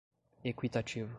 equitativo